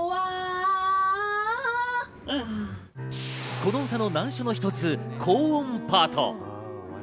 この歌の難所の一つ高音パート。